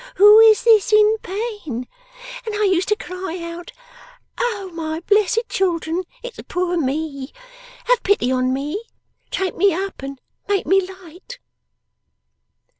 Who is this in pain!" And I used to cry out, "O my blessed children, it's poor me. Have pity on me. Take me up and make me light!"